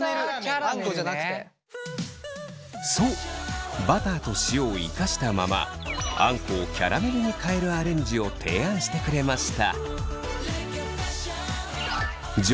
そうバターと塩を生かしたままあんこをキャラメルに変えるアレンジを提案してくれました。